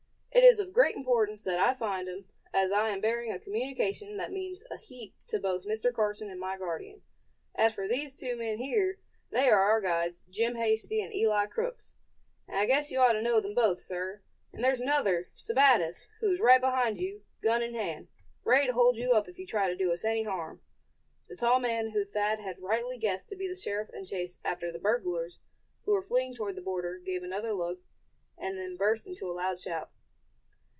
It is of great importance that I find him, as I am bearing a communication that means a heap to both Mr. Carson and my guardian. As for these two men here, they are our guides, Jim Hasty and Eli Crookes. I guess you ought to know them both, sir. And there's another, Sebattis, who is right behind you, gun in hand, ready to hold you up if you try to do us any harm." The tall man whom Thad had rightly guessed to be the sheriff in chase after the burglars who were fleeing toward the border, gave another look, and then burst into a loud shout.